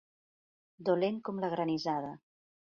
Dolent com la granissada.